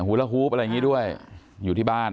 ละฮูบอะไรอย่างนี้ด้วยอยู่ที่บ้าน